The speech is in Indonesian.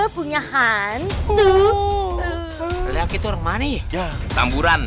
punya hantu lihat itu remani tamburan